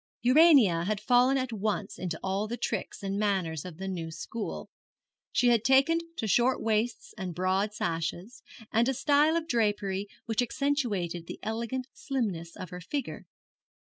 Urania had fallen at once into all the tricks and manners of the new school. She had taken to short waists and broad sashes, and a style of drapery which accentuated the elegant slimness of her figure.